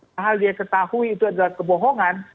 hal yang dia ketahui itu adalah kebohongan